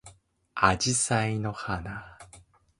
あじさいの花